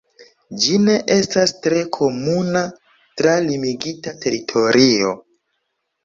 Ĝi ne estas tre komuna tra limigita teritorio.